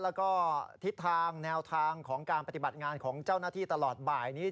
แล้วก็ทิศทางแนวทางของการปฏิบัติงานของเจ้าหน้าที่ตลอดบ่ายนี้